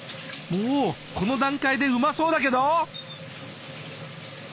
もうこの段階でうまそうだけど！